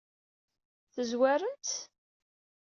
Tezwarem-tt?